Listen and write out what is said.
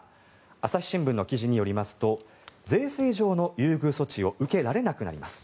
朝日新聞の記事によりますと税制上の優遇措置を受けられなくなります。